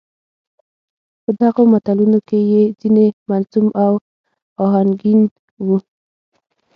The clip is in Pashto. په دغو متلونو کې يې ځينې منظوم او اهنګين وو.